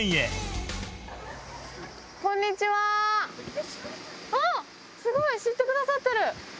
えっ、すごい、知ってくださってる！